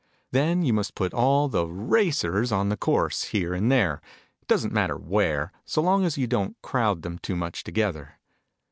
Then, you must put all the racers on the course, here and there : it doesn't matter tvhere, so long as you don't crowd them too much together.